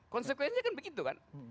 konsekuensinya kan begitu kan